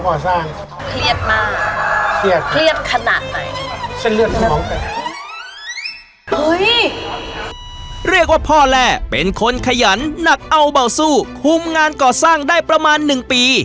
เรียกว่าพ่อแร่เป็นคนขยันหนักเอาเบาสู้คุมงานก่อสร้างได้ประมาณ๑ปี